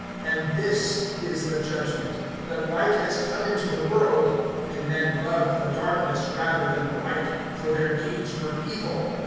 (19)And this is the judgment, that light has come into the world, and men loved the darkness rather than the light; for their deeds were evil.